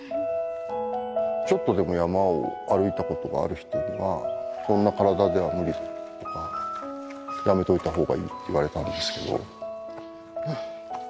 ちょっとでも山を歩いたことがある人には、そんな体では無理とか、やめといたほうがいいって言われたんですけど。